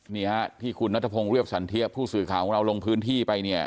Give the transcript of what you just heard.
นี่ฮะที่คุณนัทพงศ์เรียบสันเทียผู้สื่อข่าวของเราลงพื้นที่ไปเนี่ย